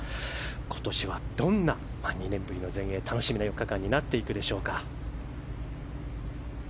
今年は、どんな２年ぶりの全英楽しみな４日間になっていくでしょうか。